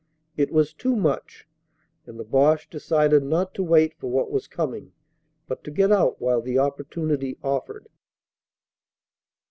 It was too much; and the Boche decided not to wait for what was coming but to get out while the opportunity offered."